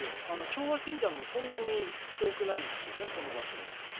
昭和新山もそんなに遠くないんですよね、この場所。